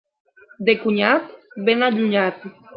De cunyat, ben allunyat.